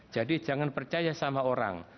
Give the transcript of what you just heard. jadi jangan percaya sama orang